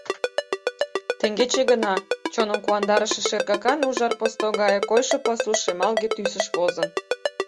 Теҥгече гына, чоным куандарыше шергакан ужар посто гае койшо пасу шемалге тӱсыш возын.